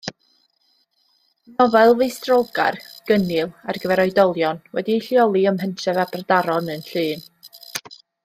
Nofel feistrolgar, gynnil ar gyfer oedolion, wedi'i lleoli ym mhentref Aberdaron yn Llŷn.